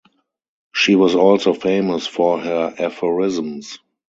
She was also famous for her aphorisms.